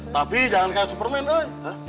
tapi jangan kayak superman aja